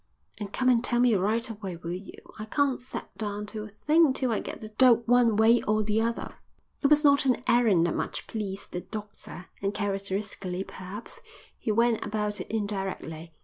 "And come and tell me right away, will you? I can't set down to a thing till I get the dope one way or the other." It was not an errand that much pleased the doctor, and, characteristically perhaps, he went about it indirectly.